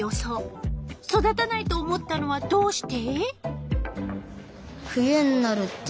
育たないと思ったのはどうして？